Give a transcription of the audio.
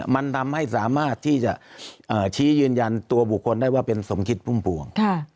มันทำให้สามารถที่จะชี้ยืนยันตัวบุคคลได้ว่าเป็นสมคิดพุ่มพวง